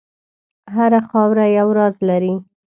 هره خاوره یو راز لري.